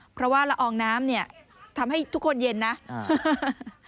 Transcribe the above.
เพราะว่าละอองน้ำเนี่ยทำให้ทุกคนเย็นนะอ่า